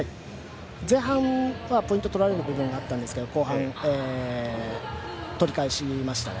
前半はポイントとらえることなったんですけど後半取り返しましたね。